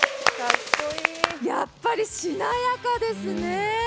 やっぱりしなやかですね。